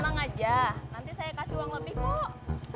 tenang aja nanti saya kasih uang lebih kok